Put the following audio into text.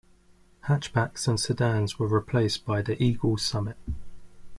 Hatchbacks and sedans were replaced by the Eagle Summit.